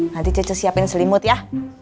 nanti cece siapin selimut ya